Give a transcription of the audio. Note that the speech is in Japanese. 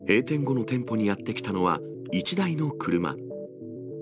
閉店後の店舗にやって来たのは、１台の車。